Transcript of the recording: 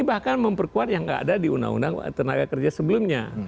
bahkan memperkuat yang tidak ada di undang undang tenaga kerja sebelumnya